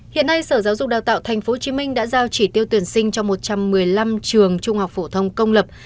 hiện nay sở giáo dục đào tạo tp hcm đã giao chỉ tiêu tuyển sinh cho một trăm một mươi năm trường trung học phổ thông công lập